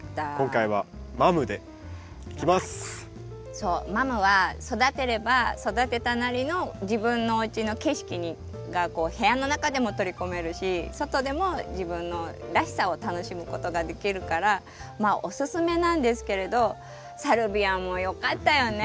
そうマムは育てれば育てたなりの自分のおうちの景色がこう部屋の中でも取り込めるし外でも自分のらしさを楽しむことができるからおすすめなんですけれどサルビアもよかったよね。